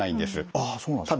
ああそうなんですか。